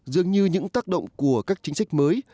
dường như những tác động của các chính sách mới